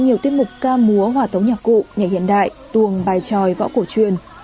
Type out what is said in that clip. nhiều tiết mục ca múa hòa tống nhạc cụ nhạc hiện đại tuồng bài tròi võ cổ truyền